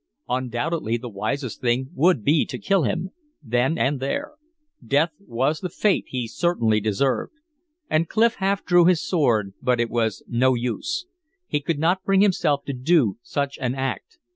Undoubtedly the wisest thing would be to kill him, then and there; death was the fate he certainly deserved. And Clif half drew his sword; but it was no use. He could not bring himself to do such an act.